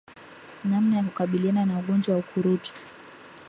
Namna ya kukabiliana na ugonjwa wa ukurutu